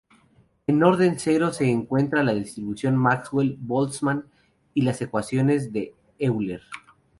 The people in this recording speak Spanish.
En orden cero se encuentra la distribución de Maxwell-Boltzmann y las ecuaciones de Euler.